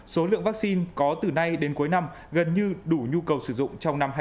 số lượng vaccine có từ nay đến cuối năm gần như đủ nhu cầu sử dụng trong năm hai nghìn hai mươi